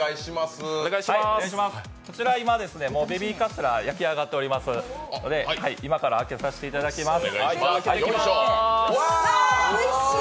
こちら、今、ベビーカステラ焼き上がっておりますので今から開けさせていただきます。